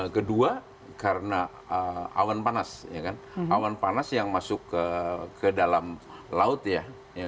kedua karena awan panas awan panas yang masuk ke dalam laut ya